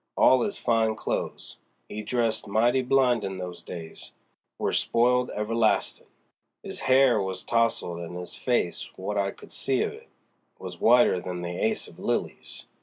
All his fine clothes he dressed mighty blindin' those days—were spoiled everlastin'! 'Is hair was towsled and his face—what I could see of it—was whiter than the ace of lilies.